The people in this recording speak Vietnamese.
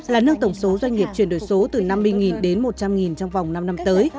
là nâng tổng số doanh nghiệp chuyển đổi số từ năm mươi đến một trăm linh trong vòng năm năm tới